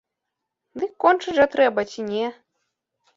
Дык кончыць жа трэба ці не?